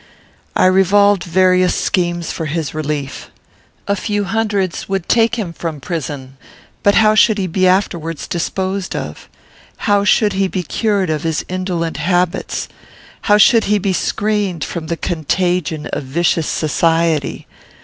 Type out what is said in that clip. I revolved various schemes for his relief. A few hundreds would take him from prison; but how should he be afterwards disposed of? How should he be cured of his indolent habits? How should he be screened from the contagion of vicious society?